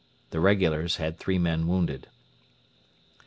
The regulars had three men wounded.